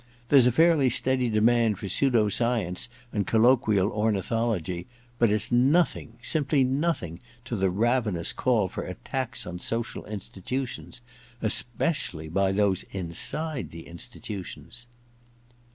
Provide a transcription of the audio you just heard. There's a fairly steady demand for pseudo science and colloquial ornithology, but it's nothing, simply nothing, to the ravenous call for attacks on social institutions — especially by those inside the institutions